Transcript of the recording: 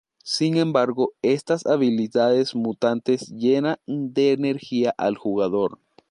Sin embargo, estas habilidades mutantes llenan de energía al jugador.